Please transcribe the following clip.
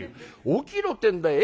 起きろってんだよ。